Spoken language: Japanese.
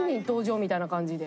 みたいな感じで。